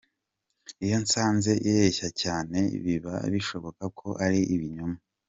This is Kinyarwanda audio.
Iyo nsanze ireshya cyane, biba bishoboka ko ari ibinyoma".